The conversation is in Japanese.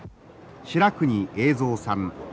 白国栄三さん